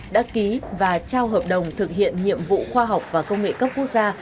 đã ký và trao hợp đồng thực hiện nhiệm vụ khoa học và công nghệ cấp quốc gia